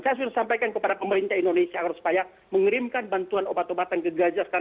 saya sudah sampaikan kepada pemerintah indonesia agar supaya mengerimkan bantuan obat obatan ke gaza sekarang